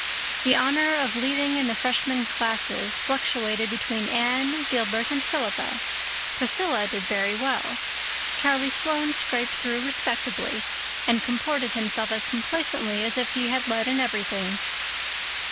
The honor of leading in the Freshman classes fluctuated between Anne, Gilbert and Philippa; Priscilla did very well; Charlie Sloane scraped through respectably, and comported himself as complacently as if he had led in everything.